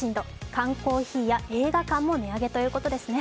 缶コーヒーや映画館も値上げということですね。